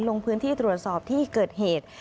ลงพื้นที่ตรวจสอบที่เกิดเหตุ